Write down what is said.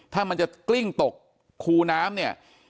ถ้ามันจะกลิ้งตกคูน้ำเนี่ย